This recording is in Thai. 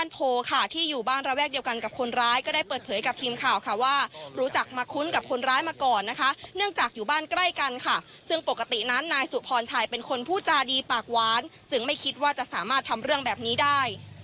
ซึ่งปกตินั้นนายสุพรชัยเป็นคนพูดจาดีปากหวานจึงไม่คิดว่าจะสามารถทำเรื่องแบบนี้ได้